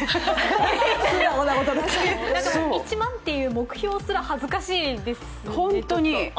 １万って目標すら恥ずかしいですよね。